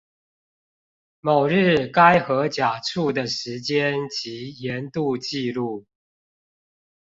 某日該河甲處的時間及鹽度記錄